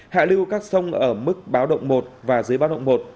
hạ lưu các sông ở mức báo động một và dưới báo động một